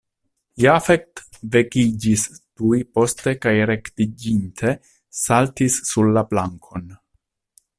Jafet vekiĝis tuj poste kaj rektiĝinte saltis sur la plankon.